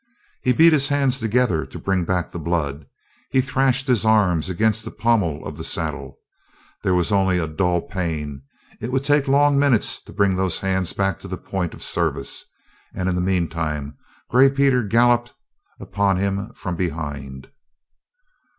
He beat his hands together to bring back the blood. He thrashed his arms against the pommel of the saddle. There was only a dull pain; it would take long minutes to bring those hands back to the point of service, and in the meantime Gray Peter galloped upon him from behind!